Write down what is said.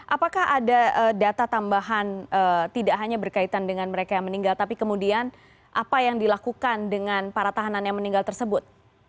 apakah ada data tambahan tidak hanya berkaitan dengan mereka yang meninggal tapi kemudian apa yang dilakukan dengan para tahanan yang meninggal tersebut